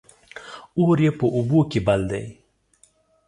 اور يې په اوبو کې بل دى